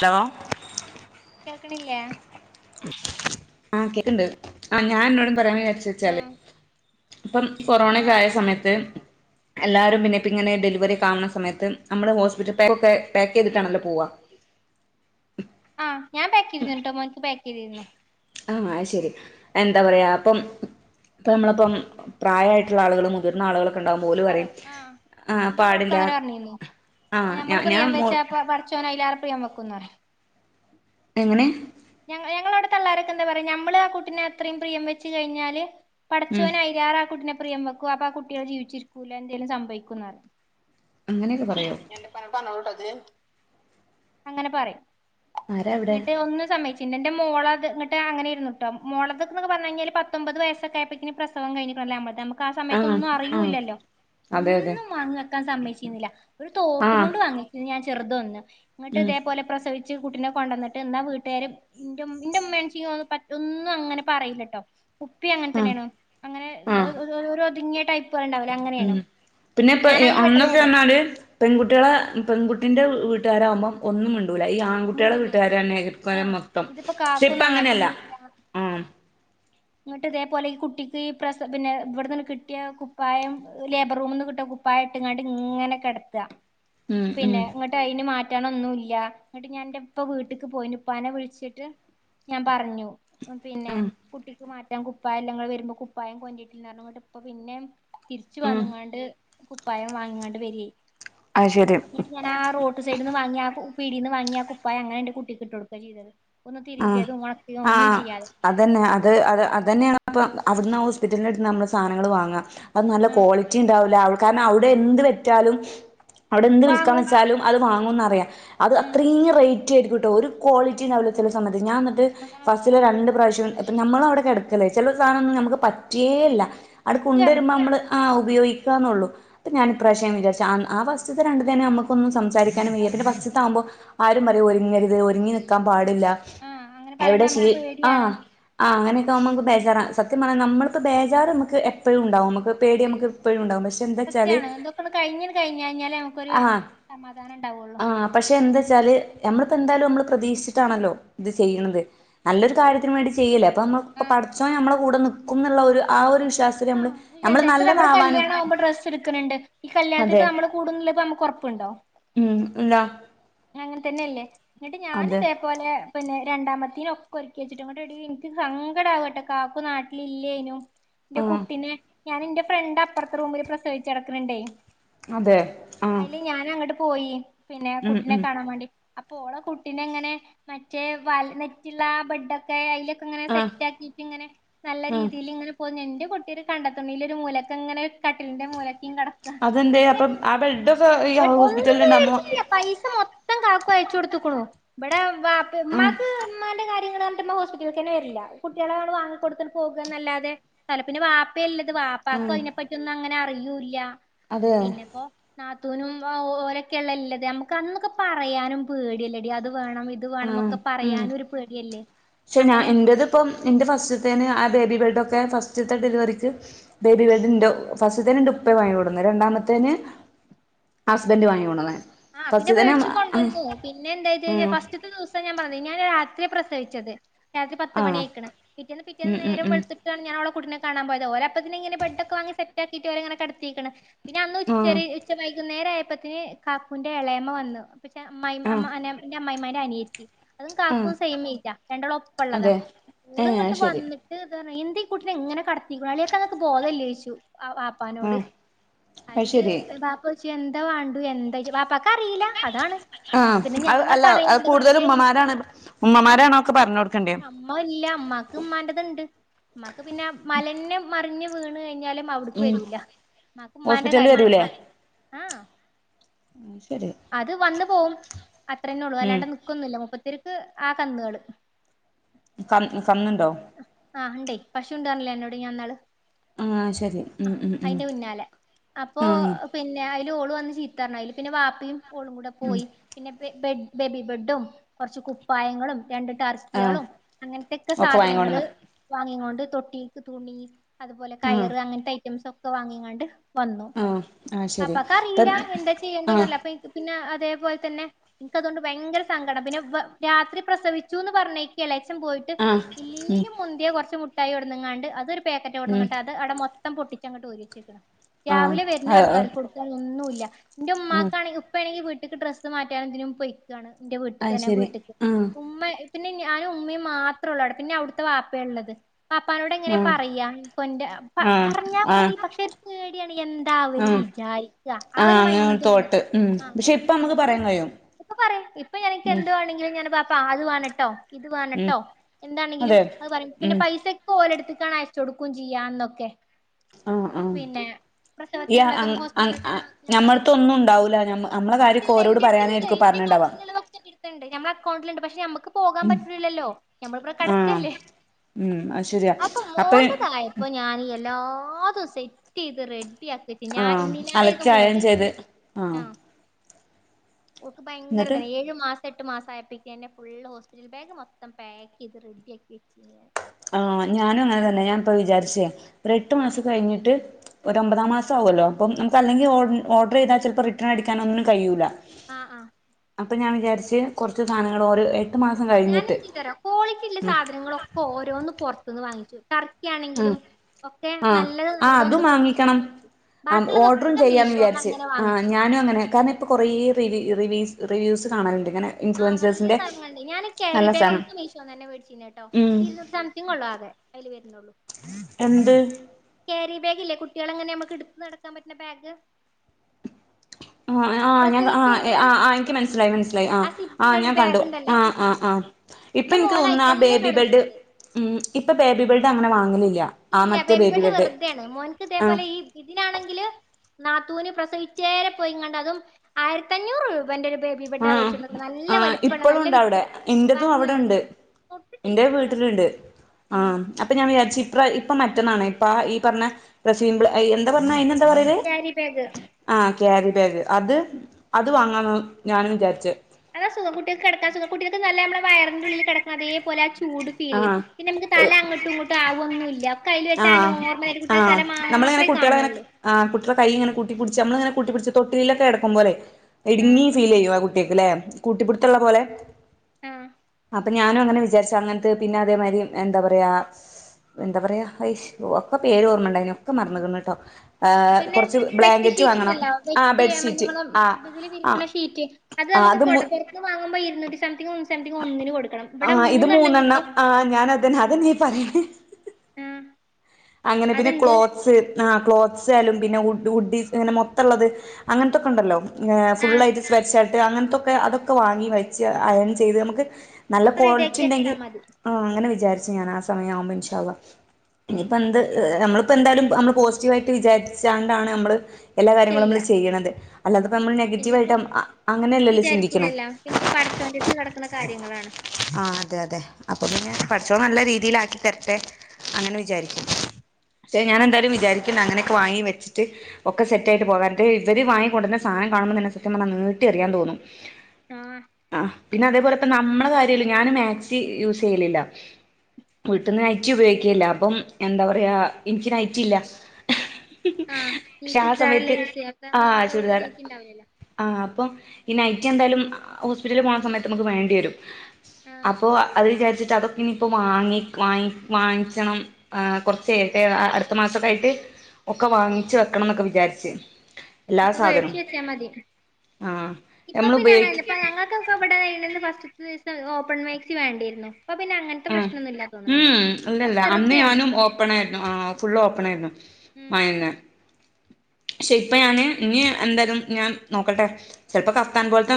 Hello കേൾക്ക്ണില്ലേ ആ കേക്ണ്ട് ആ ഞാന അന്നോ പറയാൻ വിചാര് ചെച്ചാല് ആഹ് ഇപ്പം ആഹ് കൊറോണക്കയ സമയത്ത് എല്ലാരും പിന്നെ പ്പിങ്ങനെ ഡെലിവറി ഒക്കെ ആവുന്ന സമയത്ത് നമ്മുടെ ഹോസ്പിറ്റൽ ബാഗ് ഒക്കെ പാക്ക് ചെയ്തിട്ടാണല്ലോ പോവാ ആ ഞാൻ പേക്കെയ്തിരുന്നുട്ടോ മോൻക്ക് പേക്ക് ക്കെയ്തിരുന്നു ആ അഅ് ശെരി എന്താ പറയാ അപ്പം ഇപ്പം നമ്മളപ്പം പ്രായായിട്ടുള്ള ആളുകളും മുതിർന്ന ആളുകളും പറയാ ആ എന്റെ മോൾക്ക് പാടില്ല അങ്ങനെ പർഞ്ഞിനു ആ ഞാ ഞമ്മള് ഞാൻ പ്രിയം മോ വെച്ച പ്പൊ പടച്ചോന അയിലേ പ്രായം വെക്കുന്ന റിയ എങ്ങനെ ഞങ്ങ ഞങ്ങളൊടെ തള്ളാരെക്കെന്താ പറയാ ഞമ്മള് ആ കുട്ടിനെ അത്രയും പ്രിയം വെച്ച് കഴിഞ്ഞാല് ഉം പടച്ചോനയ്‌ലേറെ ആ കുട്ടിനെ പ്രിയം വെക്കും അപ്പൊ ആ കുട്ട്യേള് ജീവിച്ചിരിക്കൂല എന്തേലും സംഭവിക്കുന്ന് പറയും അങ്ങനെക്കെ പറയോ ങേ അങ്ങനെ പറിം ആരാ അവിടെ എന്നിട്ട് ഒന്ന് സമ്മയ്ച്ചി പിന്നെന്റെ മോളത് ഇങ്ങട്ട് അങ്ങനെ ഇരുന്നുട്ടോ മോളകത് പർഞ്ഞഴ്ഞ്ഞാല് പത്തൊമ്പത് വയസ്സൊക്കെയപ്പക്കിന് പ്രസവം കഴിഞ്ഞിക്കിനി നമ്മള്‌ത് അമ്മക്ക് ആ സമയത്തൊന്നും ആ അറിയൂല്ലല്ലോ അതെ അതെ ഒന്നും വാങ്ങി വെക്കാൻ സമ്മയ് ക്കില്ല ആ തോർത്തുമുണ്ട് വാങ്ങിക്കും ഞാൻ ചെറുതൊന്ന് ഇങ്ങട്ട് ഉം ഇതേപോലെ പ്രസവി ച്ച് കുട്ടിനെ കൊണ്ടോന്നിട്ട് എന്നാ വീട്ടുകാര് ഇന്റെ ഉമ്മേനച്ചിക്ക് പറ്റും ഒന്നും അങ്ങനെ പറയില്ലട്ടോ പ്പി അങ്ങൻ ആ തന്നെയാണോ അങ്ങനെ ആ ടൈപ്പുകൾ ഉണ്ടാവൂലെ അങ്ങനെയാണ് ഉം പിന്നെപ്പ ഞാൻ അയില് പെട്ടതേ അല്ല അന്നൊക്കെന്നാല് പെൺകുട്ടാളെ പെൺകുട്ടിന്റെ വീട്ടാരാകുമ്പം ഒന്നും ഇൻ ഈ ആൺകുട്ടാളെ മുണ്ടൂലേ വീട്ടുകാരന്നെ ആഹ് [unintelligible] മൊത്തം ഇതിപ്പോ പക്ഷെ കാക്കു ഇപ്പ അങ്ങനെയല്ല നാട്ടിലും ഇല്ല ആ ഇങ്ങട്ട് ഇതേപോലെ ഈ കുട്ടിക്ക് ഈ പ്രസ പിന്നെ ഇവ്ടെന്ന് കിട്ടിയ കുപ്പായം ലേബർ റൂമ്ന്ന് കിട്ടിയ കുപ്പായം ഇട്ട്ങ്ങാണ്ട് ഇങ്ങനെ കെടക്കാ ഉം ഉം പിന്നെ ഇങ്ങട്ട് അയ്ന് മാ മാറ്റണംന്നുല്ല എന്നിട്ട് ഞാൻ എന്റെ ഇപ്പ വീട്ട്ക്ക് പോയിനു ഉപ്പാനെ വിൾച്ചിട്ട് ഞാൻ പറഞ്ഞു പിന്നെ ഉം കുട്ടി മാറ്റാൻ കുപ്പായല്ലാ ഇങ്ങള് വരുമ്പോ കുപ്പായം [unintelligible] ഇപ്പ പിന്നേം തിരിച്ച് ഉം വന്ന്ങ്ങാണ്ട് കു പയം വാങ്ങിങ്ങാണ്ട് വരെ അത് ശരി ന്നട്ട് ഞാനാ റോട്ട് സൈഡ്ന്ന് വാങ്ങിയാ കു പീടീന്ന് വാങ്ങിയ ആ കുപ്പായം അങ്ങനെ എന്റെ കുട്ടിക്ക് ഇട്ട് കൊടുക്കാ ചെയ്തത് ഒന്ന് ആ തിരുമ്പിയതും ഒണക്കിയതും ആ ഒന്നും ചെയ്യാതെ അത് ന്നെ അത് അത് അതന്നെയാണ് അപ്പ അവിടുന്ന് ഹോസ്പിറ്റലിനടുത്ത് നമ്മള് സാധനങ്ങള് വാങ്ങ അത് നല്ല ആഹ് ക്വാളിറ്റി ഉണ്ടാവില്ല അവ കാരണം അവിടെ എന്ത് വെറ്റാലും അവിടെ എന്ത് വിൽക്കാന്ന് വാങ്ങും വെച്ചാലും അത് വാങ്ങൂന്നറിയാം. അത് ഉം അത്രീയും റേ റ്റും എടുക്കൂട്ടോ ഒരു ക്വാളിറ്റി ഇണ്ടാവില്ല ചില സമയത്ത് അത് ഞാൻ എന്നിട്ട് ആഹ് ഫസ്റ്റില രണ്ട് പ്രാവശ്യം ഇപ്പം നമ്മള അവിടെക്കെ കിട ക്കല്ലേ ചെലെ സാനൊന്നും നമുക്ക് പറ്റിയേയില്ല അട് കൊണ്ടുവരുമ്പോ സത്യാണത് നമ്മള് ആ ഉപയോഗിക്കാന്നൊള്ളൂ പ്പ ഞാൻ ഇപ്രാവശ്യം വിചാരിച്ച് ആ ആ ഫസ്റ്റ്ത്തെ രണ്ട് തന്നെ നമുക്കൊന്നും സംസാരിക്കാനും വയ്യ പിന്നെ ഫസ്റ്റ് ത്തെ ആകുമ്പോ ആരും പറയും ഒരുങ്ങരുത് ഒരുങ്ങി നിക്കാൻ പാടി ല്ലാ ആഹ് അങ്ങനെ എവിടെ പറയുമ്പോ ശീ നമുക്ക് പേടിയാണ് ആഹ് ആഹ് അങ്ങനെ നമക്ക് ബേജാറ സത്യ പറഞ്ഞ നമ്മളിപ്പോ ബേജാർ നമ്മക്ക് എപ്പഴും ഉണ്ടാവും നമ്മക്ക്‌ പേടി നമ്മക്ക്പ്പഴും ഉണ്ടാവും പ സത്യാണ് ഇതോക്കെന്ന് കഴിഞ്ഞ് കഴിഞ്ഞാഞ്ഞാലേ നമുക്കൊരു ആഹ് സമാധാനം ഇണ്ടാവുള്ളു ചാല് നമ്മളിപ്പോ എന്താലും നമ്മള് പ്രതീക്ഷി ചിട്ടാണല്ലോ ഇത് ചെയ്യ്ണത് നല്ലൊരു കാര്യത്തിന് വേണ്ടി ചെയ്യേല്ലേ ഇപ്പ നമ്മള് പ്പ ആഹ് പടച്ചോൻ നമ്മളാ കൂടെ നി ക്കുംന്നുള്ള ഒരു ആ ഒര്ഷ് ആഹ് വിചാരി [unintelligible] പ്പ നമ്മള് കല്യാണ ആവുമ്പോൾ ഡ്രസ്സ് എടുക്കണ്ണ്ട് ഈ കല്യാണത്തിന് അതെ നമ്മള് കൂടുന്നില്ലേ പ്പ നമ്മ ക്കൊറപ്പുണ്ടോ ഉം ഇല്ല അങ്ങനെ തന്നെയല്ലേ എന്നിട്ട് ഞാനിതേ പോലെ പിന്നെ രണ്ടാമത്തേനൊക്കെ ഒരുക്കി വെച്ചിട്ടും കൊണ്ട്‌ എടി എനിക്ക് സങ്കടമാകുവട്ടോ കാക്കു നാട്ടിൽ ഇല്ലേനും എന്റെ ആഹ് കുട്ടിനെ ഞാൻ ഇന്റെ ഫ്രണ്ട് അപ്പുറത്തെ റൂമിൽ പ്രസവിച്ച് കെടക്ക്ണ് ണ്ടേ അതെ ആ പോയി പിന്നെ കു എന്നെ കാണാൻ വാണ്ടി അപ്പൊ ഓള കുട്ടിനെ ങ്ങനെ മറ്റേ വല നെറ്റുള്ള ബെഡൊക്കെ അയില് നെ ആഹ് സെറ്റ് ആക്കിട്ട് ഇങ്ങനെ നല്ല ആഹ് രീതിയില് ഇങ്ങനെ പൊതി എന്റെ കുട്ടീ ഒരു കണ്ടെത്തുണില് ഒരു മൂലയക്കങ്ങനെ കട്ടിലിന്റെ മൂല അതെന്തേ അപ്പൊ ആ ബെഡൊക്കെ ഈ ബട്ട് ഒന്നും ഹോസ്പിറ്റലിൽ ഉണ്ടാമോ മേടിച്ചിട്ടില്ല പൈസ മൊത്തം കാക്കു അയച്ച് കൊടുത്ത്ക്ക്ണു ഇവടെ വാപ്പയു ആഹ് ഉമ്മാക്ക് ഉമ്മാന്റെ കാര്യ [unintelligible] പറഞ്ഞിട്ട് ഉമ്മ ഹോസ്പിറ്റലേക്ക് തന്നെ വരില്ല കുട്ടികളെണ്ട് വാങ്ങികൊടുത്തിട്ടു പോകുന്നല്ലാതെ ണ്ടാവില്ല പിന്നെ വാപ്പയെ വാപ്പാക്കും ആഹ് അതിനെ പറ്റി ഒന്നും അങ്ങനെ അറിയൂല്ല അതെ പിന്നിപ്പോ നാത്തൂനും ഓരൊക്കെല്ലെയുള്ളത് നമ്മ അന്നൊക്കെ പറയാനും പേടിയല്ലേ ടി അതൊക്കെ ആ ഉം പേടിയല്ലേ പക്ഷെ ഞാ അങ്ങനെ എന്റേതിപ്പം എന്റെ ഫസ്റ്റത്തേന് ആ ബേബി ബെഡ് ഒ ക്കെ ഫസ്റ്റത്തെ ഡെലിവറിക്ക് ബേബി ബെഡ്ണ്ട് ഫസ്റ്റത്തേന് ന്റെ ഉപ്പയാ വാങ്ങികൊണ്ട് വന്നേ രണ്ടാമത്തേന് ഹസ്ബൻഡ് വാങ്ങികൊണ്ട്‌ വന്നേ ആ പിന്നെ മേടിച്ചു കൊണ്ടുവന്നു പിന്നെ എന്തായിച്ച് കഴിഞ്ഞാ ഫസ്റ്റ്ത്തെ ദിവസം ഞാൻ പറഞ്ഞ് ഞാൻ രാത്രിയാ പ്രസവിച്ചത് രാത്രി പത്ത് മണി ആഹ് ആയേക്കണ് പിറ്റേന്ന് പിറ്റേന്ന് ഉം ഉം നേരം ഉം വെളുത്തിട്ടാണ് ഞാൻ അവളെ കുട്ടിനെ കാണാ പോയത് ഓര് അപ്പത്തേക്കന് ഇങ്ങനെ ബെഡ് ഒക്കെ വാങ്ങി സെറ്റ് ആക്കി ഇങ്ങനെ കെടത്തിക്ക്ണ് പിന്നെ അന്ന് ആഹ് ഉച്ചവരെ ഉച്ച വൈകുന്നേരം ആയ പ്പതെന്ന് കാക്കുന്റെ എളയമ്മ വന്നു പിന്നെ അമ്മായിയമ്മ ആഹ് അമ്മ പിന്നെ അമ്മായിമാര് ന്റെ അനിയത്തി അതും ആഹ് കാക്കും സെയിംഎയ്ജാ രണ്ടാളം ഒപ്പമുള്ളതാ അതെ ഓള് ഏഹ് അത് ഇങ്ങോട്ട് ശരി വന്നിട്ട് എന്താ ഈ കുട്ടിനെ ഇങ്ങനെ കടത്തിയേക്കാണ് അളിയാക്ക ഇങ്ങക്ക് ബോധം ഇല്ലെന്ന്ചോയ്ച്ചു ആ വാപ്പനോട് ആഹ് അത് അയില് ശെരി വാപ്പ ചോയ് ച്ചു എന്താ വേണ്ടു എ വാപ്പാക്ക് അറിയില്ല അതാണ് ആഹ് പിന്നെ അത് ഞാനാ അല്ല അത് പറയേണ്ടത് പക്ഷെ കൂടുതലും എനിക്ക് ഉമ്മമാരാണ് ആ ഉമ്മമാരാണ് ഒക്കെ പറഞ്ഞ് കൊടുക്കണ്ടേ ഇമ്മ ഇല്ല ഇമ്മാക്ക് ഇമ്മാന്റത്ണ്ട് മ്മ ക്ക് പിന്നെ മലനെ മറിഞ്ഞും വീണ് കഴിഞ്ഞാല് അവിടക്ക് ഉം വരൂല്ല മ്മാക്ക് ഉമ്മാന്റെ ഹോസ്പിറ്റലിൽ കാര്യങ്ങൾ വരൂലേ മാത്രം ആഹ് അത് ശരി അത് വന്ന് പോകും അത്രന്നെ ഉള്ളു ഉം അല്ലാണ്ട് നിക്കൊന്നുംമില്ല മുപ്പത്തിയോ ക്ക് ആ കന്നുകള് ക കന്ന്ണ്ടോ ആ ഉണ്ട് പശുണ്ട പറഞ്ഞില്ലേ അന്നോട് ഞാൻ ഇന്നാള് ആഹ് ശരി ആ ഉം ഉം ഉം അതിന്റെ പിന്നാലെ അപ്പൊ ആഹ് പിന്നെ അതി ഓള് വന്നു ചിരി ചീത്ത പറഞ്ഞു അതിൽ പിന്നെ വാപ്പിയും ഓളും കൂടെ ഉം പോയി പിന്നെ ബെഡ് ബേബി ബെഡും കുറച്ച് കുപ്പായങ്ങളും രണ്ട് ആഹ് ടർക്കികളും അങ്ങനത്തെക്കെ ഒക്കെ സാധനങ്ങൾ വാങ്ങിക്കൊണ്ടന്ന് വാങ്ങി തൊട്ടിക്ക് തുണി അതുപോലെ കയറ് അങ്ങനത്തെ ഐ റ്റംസ് ഒക്കെ വാങ്ങിങ്ങാണ്ട് വന്നു ആ ആയ് ശരി അപ്പൊ അപ്പക്കറിയില്ല എന്താ ചെയ്യണ്ടന്നല്ല അപ്പൊ ഇനിക്ക് പിന്നെ അതേപോലെ തന്നെ എനക്കതോണ്ട് ഭയങ്കര സങ്കടം പിന്നെ രാത്രി പ്രസവിച്ചുന്ന് പറഞ്ഞേക്കല്ല പോയിട്ട് ആഹ് ഉം ഇലിലുമ് മുന്തിയാ കുറച്ചു മു മുട്ടായി കൊണ്ടുന്നകാണ്ട് അത് പാക്കറ്റ് ഉം കൊണ്ടന്നിട്ട് അത് അവിടെ മൊ ത്തം പൊട്ടിച്ചങ്ങട്ട് ഒരിച്ചെക്കണം ആഹ് രാവിലെ വരുന്ന ആഹ് ആൾക്കാർക്ക് കൊടുക്കാനൊന്നുമില്ല ല്ല എന്റെ ആഹ് ഉമ്മാക്കാണ ഉപ്പണ വി ക്ക് ഡ്രസ്സ് മാറ്റാനെന്തിനും പൊയ്ക്കുവാണ്- എന്റെ അത് വീട്ടിത്തന്നെ ശരി വീട്ടക്ക് ആഹ് ഉമ്മ- പിന്നെ ഞാനും ഉമ്മയും മാത്രേ ഉള്ളൂ അട പിന്നെ അവിടുത്തെ വാപ്പ ഉള്ളത് വാപ്പാനോട് എങ്ങനെ ആഹ് പറയാ ഇപ്പൊന്റെ ആഹ് പറഞ്ഞാ ആഹ് മതി പക്ഷെ [unintelligible] ബിയണിയൻ- ന്താ അവര് ആഹ് വിചാരിക്ക ആ ആഹ് ഒരു മൈ അങ്ങനെ തോട്ട് ഉം ആ പക്ഷെ ഇപ്പ നമുക്ക് എന്നട്ട് പറയാൻ കഴിയും ഇപ്പ പറയും ഇപ്പ ഉം എനിക്കെന്തു വേണങ്കിലും ഞാൻ - ൻ്റെവാപ്പാ ആത് വേണട്ടോ? ഇത് ഉം വേണട്ടോ എന്താണെങ്കിലും അതെ അത് പറയും പിന്നെ ഉം പൈസൊക്കെ ഓലെടുത്ത്- ഏക്കാണ് അയച്ച് കൊടുക്കും ചെയ്യാന്നൊക്കെ- ആഹ് ആഹ് പിന്നെ പ്രസവത്തിനുള്ളതും ഹോസ്പിറ്റല ചെലവാക്കാനുള്ളതും- ഒന്നും ഉണ്ടാവുല്ല നമ്മളെ കാര്യൊക്കെ ഇല്ല ഓരോട് എന്റെ പറയാനായിരിക്കും പറഞ്ഞൊണ്ടാവാ- നമ്മ അക്കൗണ്ടില്ണ്ട് പക്ഷെ അമ് ക്ക് പോകാൻ പറ്റുല്ലല്ലോ നമ്മളൂടെ ആഹ് കിടക്കല്ലേ ഉം അത് ശരിയാ അപ്പൊ അപ്പ മോന്റതായപ്പൊ ഞാനീയല്ലാ- ആത് സെറ്റയ്‌ത് റെ ആ അലക്കി അയൺ ചെയ്ത് ആഹ് ഒക്ക് ഭയങ്കര എന്നിട്ട് ഇതാ ഏഴു മാസം എട്ട് മാസായപ്പക്ക്‌ തന്ന ഫുൾ ഹോസ്പിറ്റൽ ബാഗ് മൊത്തം പക്ക് ചെയ്ത് റെഡിയാക്കി വെച്ചു ഞാൻ ആ ഞാനും അങ്ങനെ തന്നെ ഞാനിപ്പോ വിചാരിച്ചേ ഒരു എട്ട് മാസം കഴിഞ്ഞിട്ട് ഒരു ഒമ്പതാം മാസം ആകുല്ലോ അപ്പം നമുക്ക് അല്ലെങ്കിൽ ഓർഡർ ചെയ്താൽ ചിലപ്പോ റിട്ടേൺ അടിക്കാൻ ഒന്നിനും കഴിയൂല്ല ആ ആ അപ്പം ഞാൻ വിചാരിച്ച് കുറച്ച് സനങ്ങൾ ഓരോ എ ഞാൻ എന്ത് ചെയ്തരാ കോളിറ്റിള്ള സാധനങ്ങളൊക്ക ഓരോന്നും പൊറത്ത്ന്ന് വാങ്ങിച്ചു ടർക്കി ആ ആണെങ്കിലും ഒക്കെ ആ നല്ലത് ആ നല്ലതൊന്ന് അതും പുറത്തുനിന്ന് വാങ്ങിക്കണം വാങ്ങിച്ചു ഓർഡറും ബാക്കിയുള്ളതൊക്കെ ചെയ്യാന്ന് മീഷോന്ന് വിചാരിച്ച് അങ്ങനെ ആ വാങ്ങിച്ചു ഞാനും അങ്ങനെ കാരണം ഇപ്പൊ കൊറെ റീല് റിലിസ് റിൽസ് കാണാലുണ്ട് ആഹ് നല്ല സാനങ്ങളുണ്ട് ഞാന് ക്യാരി നല്ല ബാഗ് സാനം ഒക്കെ മീശോന്ന് തന്നെ മേടിച്ചിന്നട്ടോ ഉം ഇരുന്നൂറ്റി സംതിങ് ഉള്ളൂ ആകെ അതില് വേ എന്റമ്മേ എന്ത് ക്യാരി ബാഗില്ലേ കുട്ടികളെങ്ങനെ നമ്മുക്ക് എടുത്ത് നടക്കാൻ പറ്റുന്ന ബാഗ് ആ ആ ഞാ ആ പ്രസവിച്ച് ആ കഴിഞ്ഞാല് ആ എനിക്ക് മനസ്സിലായി മനസ്സിലായി ആ സിബ്ബുള്ള ആഹ് ഒരു ഞാൻ കണ്ടു ബാഗ് ഉണ്ടല്ലോ ആ ആ ആ ഇപ്പൊ എന്റെ എനിക്ക് മോന് അയി തോന്നുന്നെ ആ തന്നെ ബേബി ബെഡ് കിടന്നത് മു ഇപ്പൊ ബേബി ബെഡ് അങ്ങനെ വാ ഇല്ല ബേബിബെഡ് വെർത്യണ് മോന്ക്ക് ആഹ് ഇതേപോലെ ഈ ഇതിനാണെങ്കില് നാത്തൂന് പ്രസവിച്ചേരെ പോയികണ്ടതും ആയിരത്തഞ്ഞൂറ് രൂപന്റെ ഒരു ബേബി ബെഡാ ആ മേടിച്ചോണ്ടന്നത് നല്ല ആ വലിപ്പള്ള ഇപ്പോഴും നല്ല ഉണ്ട് അവിടെ വിത്ത് എന്റതും അവിടെ ഭംഗിള്ളത് ഉണ്ട് തൊട്ടിട്ടില്ല എന്റെ അത് കെടക്ക്ണ്ട് വീട്ടിലുണ്ട് ആ അപ്പൊ ഞാൻവിചാരിച്ചു ഇ പ്രാ മറ്റന്നാണ് ഇപ്പ ഈ പറഞ്ഞ [unintelligible] എന്താ പറഞ്ഞെ അയ്‌ന് എന്താ പറ ക്യാരി ബാഗ് ആ ക്യാരി ബാഗ് അത് അത് വാങ്ങാൻ ഞാനും വിചാരിച്ചത് അത സുഖ കുട്ടികക്ക് കിടക്ക സുഖം കുട്ടികൾ നല്ല നമ്മ വയറിന്റെ ഉള്ളിൽ കിടക്ക അതേോലെ ചൂട് ഫീല് ചെയ്യും ആഹ് പിന്നെ നമുക്ക് തല അങ്ങോട്ടും ഇങ്ങോട്ടും ആവൊന്നും ഇല്ല കയ്യിൽ വെച്ച ആഹ് ഓർമല കുട്ടിയുടെ ആഹ് തല നമ്മളിങ്ങനെ മാത്രമേ കുട്ടികളെങ്ങനെ കാണുള്ളൂ കൂട്ടിപ്പിച്ച് തൊട്ടിലിലൊക്കെ കിടക്കുമ്പോലേ എടി ആഹ് നീ ഫീല് ചെയ്യുവോ ല്ലേ കൂട്ടിപിടുത്തം ഉള്ള പോലെ ആ അപ്പ ഞാനും അങ്ങനെ വിചാരിച്ച് അങ്ങനെ പിന്നെ അതേമാതിരി എന്താ പറയാ എന്താ പറയാ ഒക്കെ പേര് ഓർമ്മ ഉണ്ടായിനു ഒക്കെ മറന്നേക്കന് കേട്ടോ പിന്നെ നമ്മടെ വെറ്റ് ഷീറ്റ് ഉണ്ടല്ലോ ആ വെറ്റ് ബെഡ്ഷീറ്റ് നമ്മ ആ ഇതില് ആ വിരിക്കുണ ഷീറ്റ് അത് ആ നമുക്ക് മൂ [unintelligible] വാങ്ങുമ്പോ ഇരുന്നൂറ്റി സംതിങ് സംതിങ് ഒന്നിന് കൊടുക്കണം ആ ഇവിടെ ഇത് മൂന്നെണ്ണം കിട്ടും ആ ഞാനതിന് അതെന്നെയ ഈ പറയണെ ആഹ് അങ്ങനെ പിന്നെ അതുണ്ട് ക്ലോത്ത്സ് ആ ക്ലോത്സ് ആയാലും പിന്നെ ഉഡി ഇങ്ങനെ മൊത്തമുള്ളത് അങ്ങനത്തൊക്കെ ഉണ്ടല്ലോ ആഹ് ഫുള്ളായിട്ട് [unintelligible] അങ്ങനത്തൊക്കെ അതൊക്കെ വാങ്ങി വെച്ച് [unintelligible] ചെയ്ത് നമുക്ക് നല്ല ഒക്കെ ക്വാളിറ്റി റെഡിയാക്കി വെച്ചാ ഉണ്ടെങ്കിൽ മതി ആ അങ്ങനെ വിചാരിച്ചു ഞാനാ [unintelligible] ഇൻഷാ അള്ളാ ഇനിയിപ്പോ എന്ത് നമ്മളിപ്പോ എന്തായാലും നമ്മള് പോസിറ്റീവ് ആയിട്ട് വിചാരിച്ചണ്ടാണ് നമ്മള് എല്ലാ കാര്യങ്ങളും ചെയ്യാ നമ്മള് ചെയ്യണത് അല്ലാതെപ്പോ നമ്മൾ പിന്നെപ്പോ നെഗറ്റീവായിട്ട് അങ്ങനെയല്ലല്ലോ ചിന്തിക്കണെ വിചാരിക്കൂലല്ലോ പിന്നെപ്പോ പടച്ചോന്റെ അടുത്ത് കിടക്കുന്ന കാര്യങ്ങളാണ് ആ അതെ അതെ അപ്പൊ പിന്നെ പടച്ചോൻ നല്ല രീതിയിലാക്കി തരട്ടെ അങ്ങനെ വിചാരിക്കും പക്ഷേ ഞാൻ എന്തായാലും വിചാരിക്കുന്ന അങ്ങനെയൊക്കെ വാങ്ങി വച്ചിട്ട് ഒക്കെ സെറ്റായിട്ട് പോകാം ഇവര് വാങ്ങി കൊണ്ടുവന്ന സാധനം കാണുമ്പോ തന്നെ സത്യം പറഞ്ഞാൽ നീട്ടി എറിയാൻ തോന്നും ആഹ് ആ പിന്നെ അതേ ഇപ്പൊ നമ്മടെ കാര്യല്ല ഞാന് മാക്സി യൂസ് ചെയ്യലില്ല വീട്ടന്ന് നൈറ്റി ഉപയോഗിക്കില്ല അപ്പം എന്താ പറയാ എനിക്ക് നൈറ്റി ഇല്ല ആ നീ പക്ഷെ ആ ചുരിദാറല്ലേ സമയത്ത് യൂസ് ചെയ്യ അപ്പൊ ആ ആകുമ്പോ നമുക്ക് [unintelligible] ഉണ്ടാവലല്ലോ പിന്നെ ഐക്ക് എന്താലും ഹോസ്പിറ്റലിൽ പോണ സമയത്ത് നമുക്ക് വേണ്ടി വരും ആഹ് അപ്പോ അവര് വിചാരിച്ച് അതൊക്കെ ഇനിയിപ്പോ വാങ്ങി വാങ്ങി വാങ്ങിക്കണം കുറച്ച് നേരത്തെ അടുത്ത മാസവൊക്കെ ആയിട്ട് ഒക്കെ വാങ്ങിച്ച് വെക്കണം എന്നൊക്കെ വിചാരിച്ചു ഒക്കെ മേടിച്ചു വെച്ചാൽ മതി ആഹ് ഇപ്പൊ നമ്മള് പിന്നെ അങ്ങനല്ല ഉപയോഗിക്ക ഇപ്പൊ ഞങ്ങൾക്കൊക്കെ ഇവിടെ ഫസ്റ്റ് ദിവസം ഓപ്പൺ മാക്സി വേണ്ടിരുന്നു ആ ഉം അത് അല്ലല്ല അന്ന് വെറുതെയാണ് ഞാനും ഓപ്പൺ ആയിരുന്നു ആ ഫുള്ള് ഓപ്പൺ ആയിരുന്നു ഉം [unintelligible] പക്ഷെ ഇപ്പ ഞാന് ഇനി എന്തായാലും ഞാൻ നോക്കട്ടെ ചിലപ്പോ [unintelligible] പോലത്തെ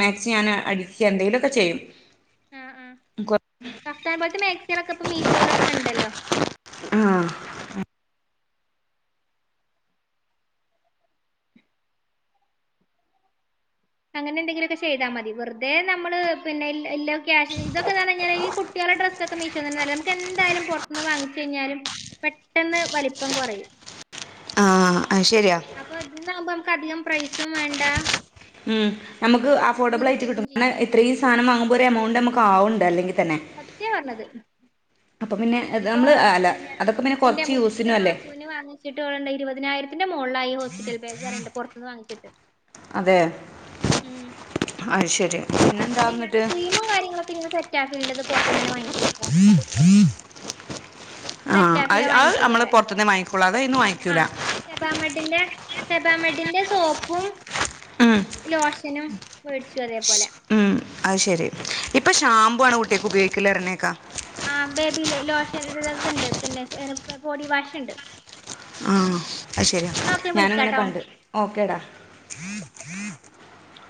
മാക്സി ഞാന് അടിച്ച് എന്തെങ്കിലുമൊക്കെ ചെയ്യും [unintelligible] കഫതാൻ പോലത്തെ മാക്സയിലൊക്കെ ഇപ്പൊ മീഷോയില ഒക്കെ ഉണ്ടല്ലോ ആഹ് അങ്ങനെന്തെങ്കിലൊക്കെ ചെയ്താ മതി വെർതേ നമ്മള് പിന്നെ ല്ലം കാശ്യലി ഇതൊക്കെ ന്ന്റ്ഞ്ഞയ്ഞ്ഞാല് ഈ കു കുട്ടികളുടെ ഡ്രസ്സ ഒക്കെ മീശോ തന്ന നമുക്ക് എന്തായാലും പുറത്തുന്ന് വാങ്ങിച്ച കഴിഞ്ഞാലും പെട്ടെന്ന് വലിപ്പം കുറയും ആഹ് അത് ശരിയാ അപ്പൊ ഇന്നാവുമ്പൊ കധികം പ്രൈസും വേണ്ട ഉം നമുക്ക് അഫോർഡബിൾ ഇങ്ങനെ ആയിട്ട് ചെയ്യും കിട്ടണ ചെയ്യാം എത്രീ സാനം വാങ്ങുമ്പോ ഒരു എമൗണ്ട് നമു ക്കാവുണ്ട് അല്ലങ്കിൽ സത്യ പറഞ്ഞത് അപ്പൊ പിന്നെ ഇപ്പൊ നമ്മൾ അല്ല പിന്നെ അതൊക്കെ മുത്തച്ചിന്റെ കുറച്ച് മുത്തശിന്റെ യൂസിനും അല്ലേ നാത്തുന് വാങ്ങിച്ചിട്ട്ണ്ട് ഇരുപതിനായിരത്തിന്റെ മോളിലായി ഹോസ്പിറ്റൽ ബാഗ് അറീണ്ട് പുറത്തുന്ന് വാങ്ങിച്ചപ്പോ ട്ട് അതെ അത് ശരി പിന്നെ പിന്നെ ഞാന് ക്രീമും കാര്യങ്ങളൊക്കെങ്ങന സെറ്റക്കേണ്ടത് പുറത്തുനെന്നെ വാങ്ങ [unintelligible] ആഹ് അത് സെറ്റാഫിലാ അത് വാങ്ങിക്കല് നമ്മള് പറയാ പുൊറത്ത്ന്ന് വാങ്ങിക്കൊള്ളൂ അതെന്ന് വാങ്ങിക്കൂല സബമഡിന്റെ സോപ്പും ഉം, ലോശനും മേടിച്ചു അതേപോലെ ഷാമ്പൂ ആണ് കുട്ടക്ക് ഉപയോഗിക്കില് പറണെക ആ ബേബി ലോഷൻണ്ട് പിന്നെ ബോഡി വാഷ്ണ്ട് ആഹ അ ശരിയാ എന്നാ ഓക്കെ ഞാന ങ്ങനെ വിളിക്കാട്ടോ കണ്ടു ഓക്കേടാ [unintelligible]